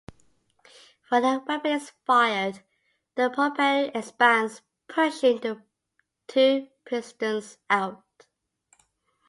When the weapon is fired, the propellant expands, pushing the two pistons out.